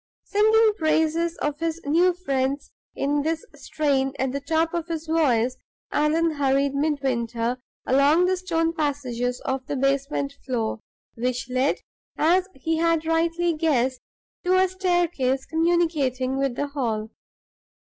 Singing the praises of his new friends in this strain at the top of his voice, Allan hurried Midwinter along the stone passages on the basement floor, which led, as he had rightly guessed, to a staircase communicating with the hall.